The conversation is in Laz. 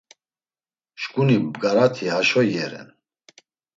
Şǩuni bgarati haşo iyeren.